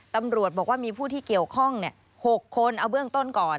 ตำรวจบอกว่ามีผู้ที่เกี่ยวข้อง๖คนเอาเบื้องต้นก่อน